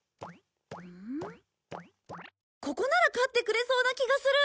ここなら飼ってくれそうな気がする！